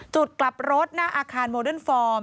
จุดกลับรถหน้าอาคารโมเดิร์นฟอร์ม